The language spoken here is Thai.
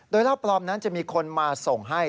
โดยเหล้าปลอมนั้นจะมีคนมาส่งให้